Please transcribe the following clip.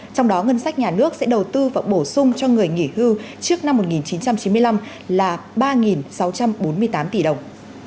trong đó ngân sách nhà nước sẽ đầu tư và bổ sung cho người nghỉ hưu trước năm một nghìn chín trăm chín mươi năm là ba sáu trăm bốn mươi tám tỷ đồng